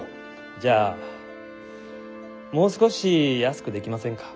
じゃあもう少し安くできませんか？